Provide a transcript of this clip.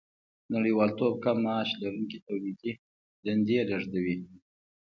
نړیوالتوب کم معاش لرونکي تولیدي دندې لېږدوي